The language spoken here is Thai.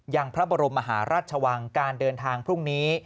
ยังพระบรมมหาราชวังการเดินทางพรุ่งนี้